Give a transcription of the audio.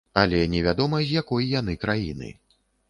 Але невядома, з якой яны краіны.